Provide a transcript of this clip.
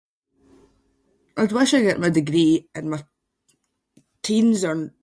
I’d wish I got my degree in my teens or-